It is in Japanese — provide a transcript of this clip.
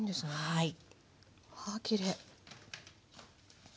はい。